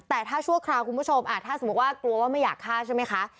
แต่ถ้าชั่วคราวคุณผู้ชมถ้าสมมุติว่ากลัวว่าไม่อยากฆ่าใช่ไหมคะ